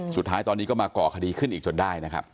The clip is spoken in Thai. สุดท้ายตอนนี้ก็มาก่อคดีขึ้นอีกจนได้นะครับ